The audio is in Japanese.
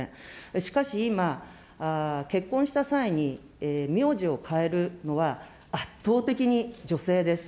しかし今、結婚した際に苗字を変えるのは、圧倒的に女性です。